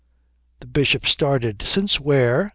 The Bishop started. "Since where?"